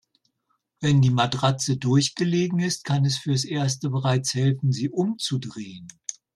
Wenn die Matratze durchgelegen ist, kann es fürs Erste bereits helfen, sie umzudrehen.